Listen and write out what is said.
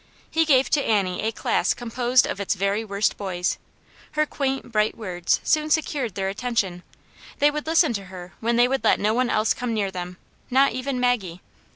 He gave to Annie a class composed of its very worst boys. Her quaint bright words soon secured their attention ; they would listen to her when they would let no one else come near them, not even Maggie.